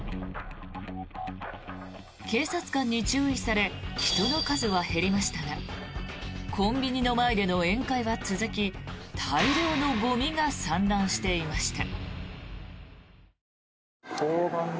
警察官に注意され人の数は減りましたがコンビニの前での宴会は続き大量のゴミが散乱していました。